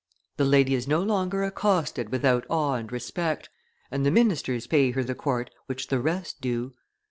The lady is no longer accosted without awe and respect, and the ministers pay her the court which the rest do.